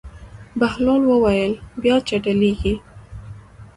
بهلول وویل: بیا چټلېږي.